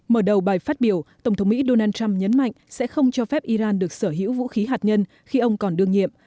mở đầu bài phát biểu tổng thống mỹ donald trump nhấn mạnh sẽ không cho phép iran được sở hữu vũ khí hạt nhân khi ông còn đương nhiệm